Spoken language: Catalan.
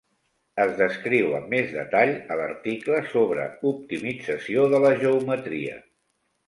Es descriu amb més detall a l'article sobre optimització de la geometria.